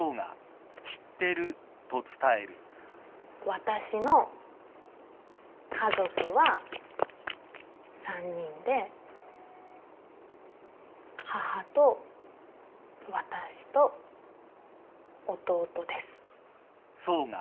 私の家族は３人で母と私と弟です。だよね。